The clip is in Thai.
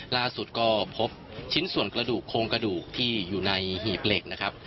ล่าสุดก็พบชิ้นส่วนคงมนต์กระดูกที่อยู่ในหีบเหล็ก